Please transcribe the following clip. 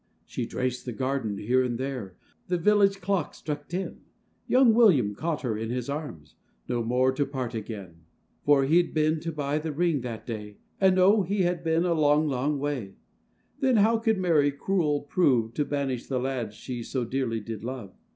She traced the garden here and there, The village clock struck ten; Young William caught her in his arms, No more to part again: For he'd been to buy the ring that day, And O! he had been a long, long way;— Then, how could Mary cruel prove, To banish the lad she so dearly did love?